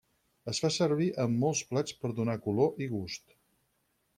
Es fa servir en molts plats per donar color i gust.